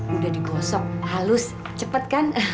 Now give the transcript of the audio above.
udah digosok halus cepat kan